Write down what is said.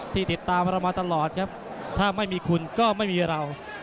ติดตามเรามาตลอดครับถ้าไม่มีคุณก็ไม่มีเรา